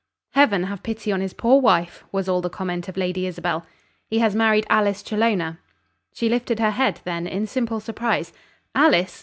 "Heaven have pity on his poor wife!" was all the comment of Lady Isabel. "He has married Alice Challoner." She lifted her head, then, in simple surprise. "Alice?